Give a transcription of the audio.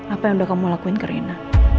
apa yang udah kamu lakuin ke rina